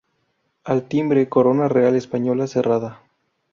Al timbre Corona Real Española cerrada.